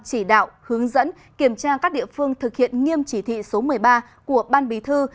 chỉ đạo hướng dẫn kiểm tra các địa phương thực hiện nghiêm chỉ thị số một mươi ba của ban bí thư